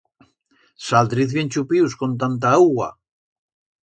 Saldriz bien chupius con tanta augua.